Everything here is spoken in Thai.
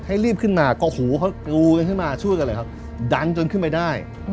รีบขึ้นมาก็หูเขากรูกันขึ้นมาช่วยกันเลยครับดันจนขึ้นไปได้